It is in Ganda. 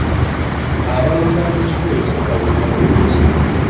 Abalongo ab’ekikula ekimu baweebwa linnya ki?